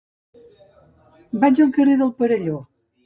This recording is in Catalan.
Vaig al carrer del Perelló.